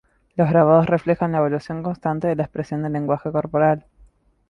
Los grabados reflejan la evolución constante de la expresión del lenguaje corporal.